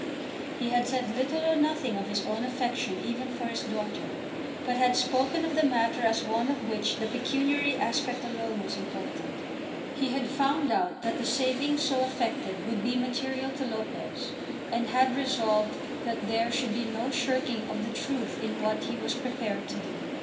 He had said little or nothing of his own affection even for his daughter, but had spoken of the matter as one of which the pecuniary aspect alone was important. He had found out that the saving so effected would be material to Lopez, and had resolved that there should be no shirking of the truth in what he was prepared to do.